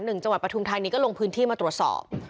จังหวัดประถุมธรรมดินไทยก็ลงพื้นที่มาตรวจสอบ